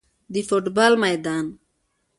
د فوټبال میدان